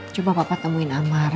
coba papa temuin amar